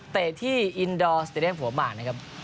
ที่อินดอร์สเตรียมหัวหมากนะครับ